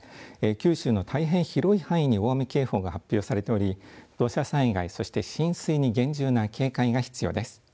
九州の大変広い範囲に大雨警報が発表されており土砂災害、そして浸水に厳重な警戒が必要です。